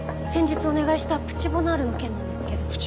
先日お願いしたプチボナールの件なんですけど。